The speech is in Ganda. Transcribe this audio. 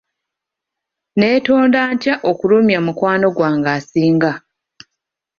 Neetonda ntya okulumya mukwano gwange asinga?